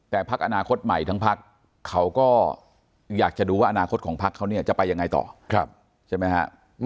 แต่พักอนาคตใหม่ทั้งพักเขาก็อยากจะดูว่าอนาคตของพักเขาเนี่ยจะไปยังไงต่อใช่ไหมฮะ